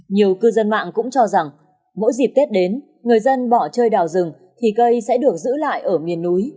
nhiều cư dân mạng cũng cho rằng mỗi dịp tết đến người dân bỏ chơi đào rừng thì cây sẽ được giữ lại ở miền núi